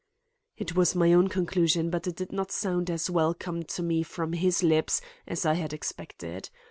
It was my own conclusion but it did not sound as welcome to me from his lips as I had expected.